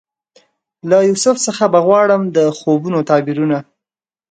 له یوسف څخه به غواړم د خوبونو تعبیرونه